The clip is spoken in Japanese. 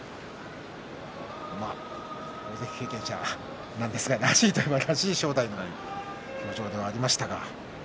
大関経験者なんですがらしいといえば、らしい正代土俵上ではありました。